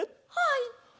はい。